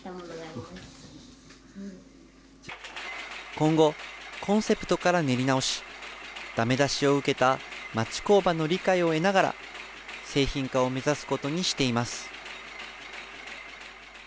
今後、コンセプトから練り直し、だめ出しを受けた町工場の理解を得ながら、製品化を目指すことにしています。